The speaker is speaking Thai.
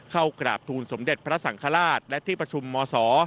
เข้ากราบทูลสมเด็จพระสังฆราชและที่ประชุมมศ